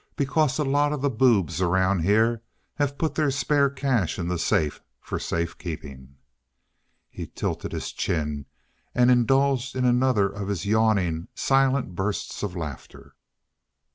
Because a lot of the boobs around here have put their spare cash in the safe for safekeeping!" He tilted his chin and indulged in another of his yawning, silent bursts of laughter.